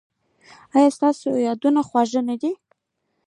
ایا ستاسو یادونه خوږه نه ده؟